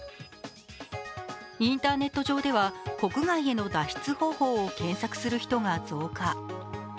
インターネット上では国外への脱出方法を検索する人が増加。